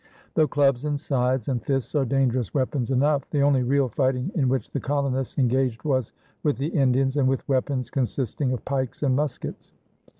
Though clubs and scythes and fists are dangerous weapons enough, the only real fighting in which the colonists engaged was with the Indians and with weapons consisting of pikes and muskets.